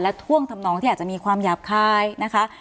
ท่วงทำนองที่อาจจะมีความหยาบคายนะคะ